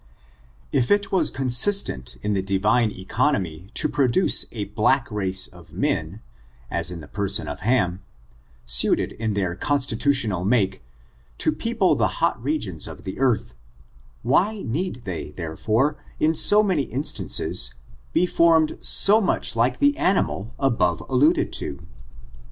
If it was consistent in the Divine economy to pro duce a black race of men, as in the person of Ham, suited in their constitutional make, to people the hot regions of the earth, why need they, therefore, in so many instances, be formed so much like the animal above alluded to?